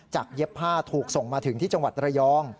เย็บผ้าถูกส่งมาถึงที่จังหวัดระยอง